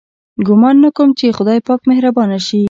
ګومان نه کوم چې خدای پاک مهربانه شي.